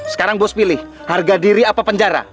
sekarang boss pilih harga diri apa penjara